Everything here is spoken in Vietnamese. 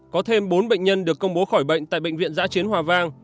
có thêm bốn bệnh nhân được công bố khỏi bệnh tại bệnh viện giã chiến hòa vang